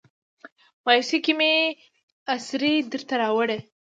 مایوسۍ کې مې اسرې درته راوړي